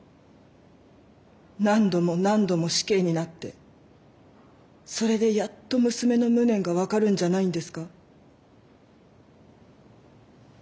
何度も何度も死刑になってそれでやっと娘の無念が分かるんじゃないんですか？